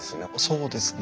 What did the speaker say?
そうですね。